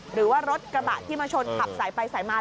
หรือว่ารถกระบะที่มาชนขับสายไปสายมา